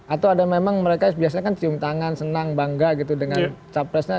atau ada memang mereka biasanya kan cium tangan senang bangga gitu dengan capresnya